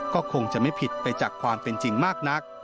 ก็คงจะไม่ผิดไปจากความเป็นจริงมากนัก